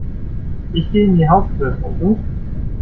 Ich geh in die Hauptbib, und du?